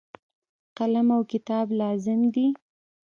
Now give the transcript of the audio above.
قلم او کتاب لازم دي.